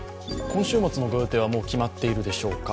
今週末のご予定はもう決まっているでしょうか。